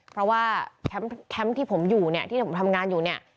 เพราะว่าแคมป์ที่ผมอยู่เนี่ยที่ผมทำงานอยู่เนี่ย